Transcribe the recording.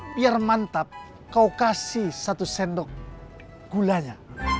biar mantap kau kasih satu sendok gulanya